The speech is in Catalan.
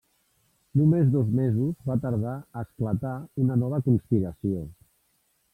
Només dos mesos va tardar a esclatar una nova conspiració.